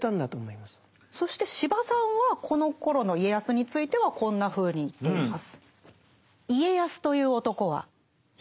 そして司馬さんはこのころの家康についてはこんなふうに言っています。